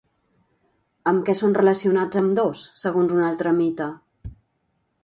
Amb què són relacionats ambdós, segons un altre mite?